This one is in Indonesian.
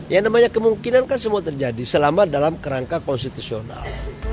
yang namanya kemungkinan kan semua terjadi selama dalam kerangka konstitusional